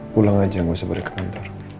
pulang saja nggak usah balik ke kantor